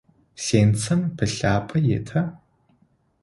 Сенцэм пылъапӏэ ита?